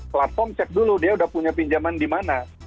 platform cek dulu dia udah punya pinjaman di mana